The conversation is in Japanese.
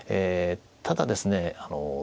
ただですね